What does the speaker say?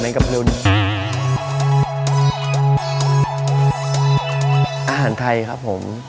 อาหารไทยครับผม